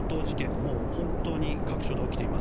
もう本当に各所で起きています。